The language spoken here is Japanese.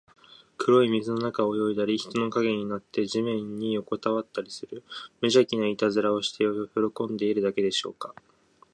黒い水の中を泳いだり、人の影になって地面によこたわったりする、むじゃきないたずらをして喜んでいるだけでしょうか。